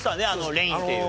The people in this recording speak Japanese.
レインっていう。